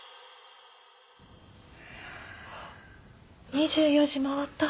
２４時回った！